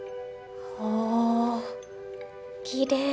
おおきれい！